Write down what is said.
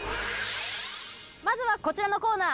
まずはこちらのコーナー。